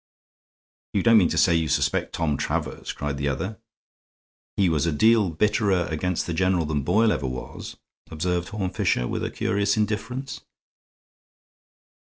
"You don't mean to say you suspect Tom Travers?" cried the other. "He was a deal bitterer against the general than Boyle ever was," observed Horne Fisher, with a curious indifference.